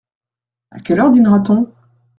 À quelle heure dînera-t-on ?